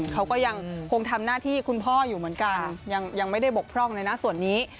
เขาก็ยังคงทำหน้าที่คุณพ่ออยู่เหมือนกันยังไม่ได้บกพร่องเลยนะส่วนนี้